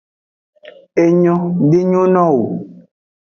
Enyo de nyo no wo.